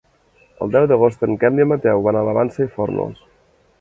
El deu d'agost en Quel i en Mateu van a la Vansa i Fórnols.